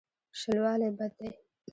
شلوالی بد دی.